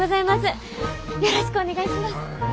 よろしくお願いします。